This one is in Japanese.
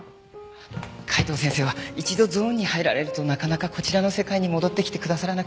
海東先生は一度ゾーンに入られるとなかなかこちらの世界に戻ってきてくださらなくて。